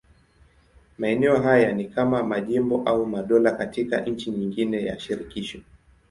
Maeneo haya ni kama majimbo au madola katika nchi nyingine ya shirikisho.